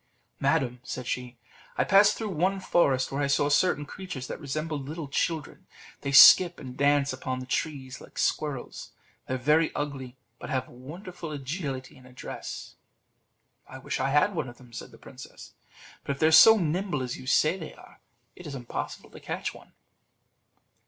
"Madam," said she, "I passed through one forest where I saw certain creatures that resembled little children: they skip and dance upon the trees like squirrels; they are very ugly, but have wonderful agility and address." "I wish I had one of them," said the princess; "but if they are so nimble as you say they are, it is impossible to catch one."